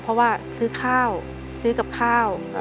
เพราะว่าซื้อข้าวซื้อกับข้าว